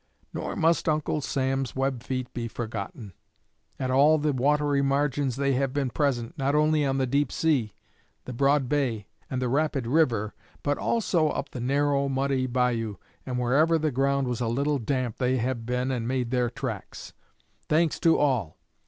Nor must Uncle Sam's web feet be forgotten. At all the watery margins they have been present, not only on the deep sea, the broad bay, and the rapid river, but also up the narrow, muddy bayou, and wherever the ground was a little damp they have been and made their tracks. Thanks to all.